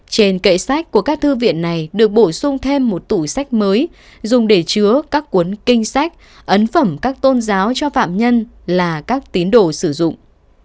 trên cậy sách của các thư viện này được bổ sung thêm một tủ sách mới dùng để chứa các cuốn kinh sách ấn phẩm các tôn giáo cho phạm nhân là các tín đồ sử dụng